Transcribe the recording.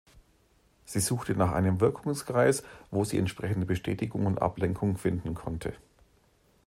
Sie suchte nach einem Wirkungskreis, wo sie entsprechende Bestätigung und Ablenkung finden konnte.